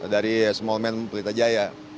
dari small man pelita jaya